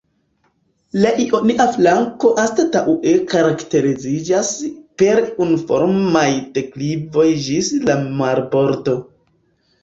La ionia flanko anstataŭe karakteriziĝas per unuformaj deklivoj ĝis la marbordo.